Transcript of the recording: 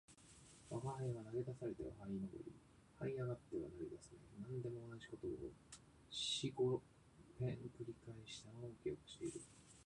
吾輩は投げ出されては這い上り、這い上っては投げ出され、何でも同じ事を四五遍繰り返したのを記憶している